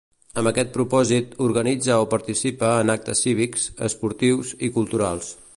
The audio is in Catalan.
Amb aquest propòsit, organitza o participa en actes cívics, esportius i culturals.